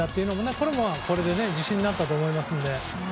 これはこれで自信になったと思いますので。